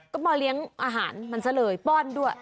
ก็มาเลี้ยงอาหารมันซะเลยป้อนด้วย